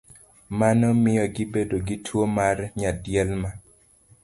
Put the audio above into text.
Mano miyo gibedo gi tuwo mar nyaldiema.